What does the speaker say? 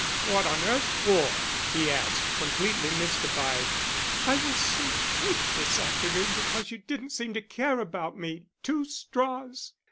"What on earth for?" he asked, completely mystified. "I was so hurt this afternoon because you didn't seem to care about me two straws.